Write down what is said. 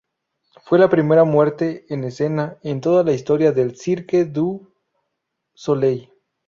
Fue la primera muerte en escena en toda la historia del Cirque du Soleil.